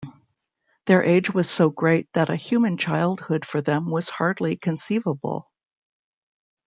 Their age was so great that a human childhood for them was hardly conceivable.